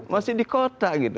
masih di kota gitu